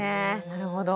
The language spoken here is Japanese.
なるほど。